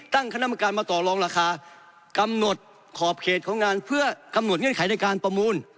ตั้งคณะกรรมการมาต่อรองราคากำหนดขอบเขตของงานเพื่อกำหนดเงื่อนไขในการประมูล